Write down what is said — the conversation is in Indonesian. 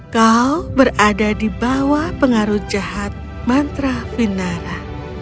kau berada di bawah pengaruh jahat mantra vinara